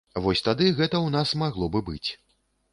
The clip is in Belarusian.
Вось тады гэта ў нас магло бы быць.